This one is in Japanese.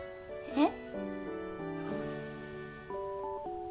えっ！？